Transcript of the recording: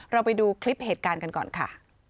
ไปดูคลิปเหตุการณ์กันก่อนค่ะ